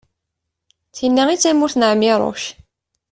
d tin-a i d tamurt n ԑmiruc